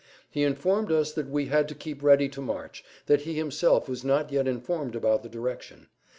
He informed us that we had to keep ready to march, that he himself was not yet informed about the direction.